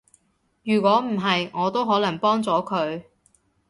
如果唔係，我都可能幫咗佢